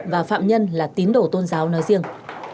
và phạm nhân là tín đồ tôn giáo nói riêng